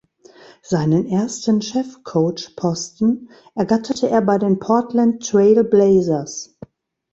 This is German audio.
Seinen ersten Chefcoach-Posten ergatterte er bei den Portland Trail Blazers.